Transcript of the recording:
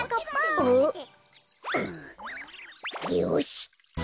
よし！